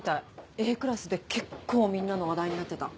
Ａクラスで結構みんなの話題になってた。